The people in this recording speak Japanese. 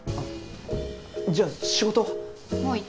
じゃあ仕事は？